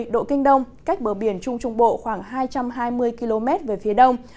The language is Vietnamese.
một mươi độ kinh đông cách bờ biển trung trung bộ khoảng hai trăm hai mươi km về phía đông